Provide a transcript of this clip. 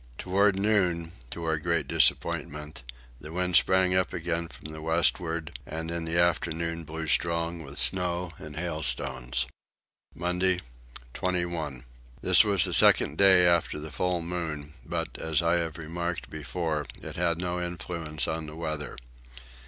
Towards noon, to our great disappointment, the wind sprang up again from the westward and in the afternoon blew strong with snow and hailstorms. Monday 21. This was the second day after the full moon but, as I have remarked before, it had no influence on the weather.